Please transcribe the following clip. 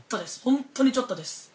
本当にちょっとです。